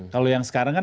kalau yang sekarang kan